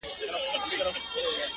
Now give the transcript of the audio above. • نور لاس کي کتاب راکه قلم راکه..